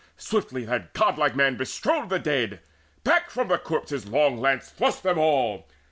Swiftly that godlike man bestrode the dead: Back from the corpse his long lance thrust them all.